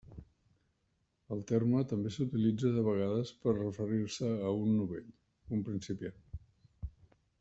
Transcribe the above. El terme també s'utilitza de vegades per referir-se a un novell, un principiant.